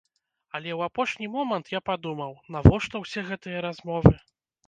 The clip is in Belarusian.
Але ў апошні момант я падумаў, навошта ўсе гэтыя размовы?